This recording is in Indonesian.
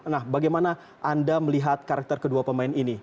nah bagaimana anda melihat karakter kedua pemain ini